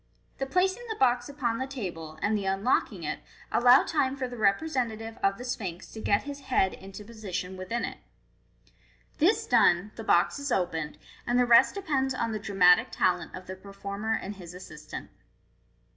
The placing the box upon the table, and the unlocking it, allow time for the representative of the Sphinx to get his head into MODERN MAGIC. 475 position within it. This done, the box is opened, and the rest depends on the dramatic talent of the performer and his assistant.